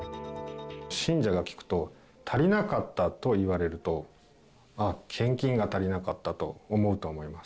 信者が聞くと、足りなかったと言われると、あっ、献金が足りなかったと思うと思います。